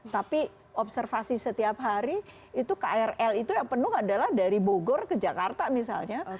tapi observasi setiap hari itu krl itu yang penuh adalah dari bogor ke jakarta misalnya